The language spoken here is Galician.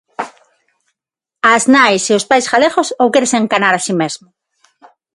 ¿Ás nais e aos pais galegos ou quérese enganar a si mesmo?